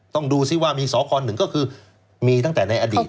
ต้องดูซิว่ามีสค๑ก็คือมีตั้งแต่ในอดีต